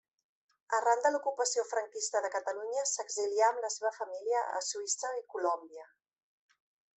Arran de l'ocupació franquista de Catalunya s'exilià amb la seva família a Suïssa i Colòmbia.